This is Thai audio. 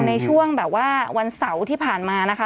ในช่วงแบบว่าวันเสาร์ที่ผ่านมานะคะ